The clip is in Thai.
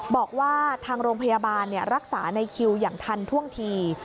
บอกว่าทางโรงพยาบาลรักษาในคิวอย่างทันท่วงที